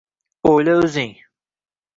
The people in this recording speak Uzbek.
O’yla o’zing